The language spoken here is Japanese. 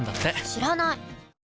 知らない！